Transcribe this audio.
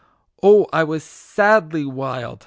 Oh, I was sadly wild